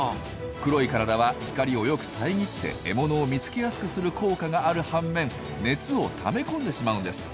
黒い体は光をよくさえぎって獲物を見つけやすくする効果がある半面熱をためこんでしまうんです。